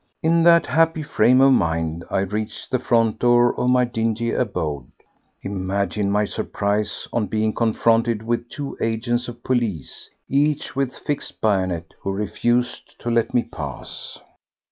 In that happy frame of mind I reached the front door of my dingy abode. Imagine my surprise on being confronted with two agents of police, each with fixed bayonet, who refused to let me pass.